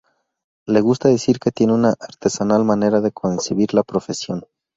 Le gusta decir que tiene una "artesanal" manera de concebir la profesión.